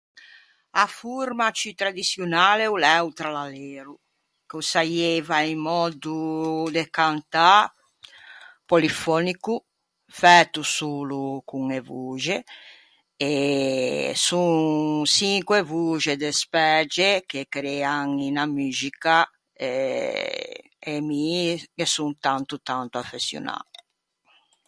A forma ciù tradiçionale o l'é o trallalero, ch'o saieiva un mòddo de cantâ polifònico, fæto solo con e voxe, e son çinque voxe despæge che crean unna muxica e... e mi ghe son tanto tanto affeçionâ.